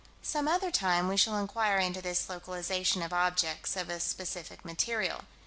Some other time we shall inquire into this localization of objects of a specific material.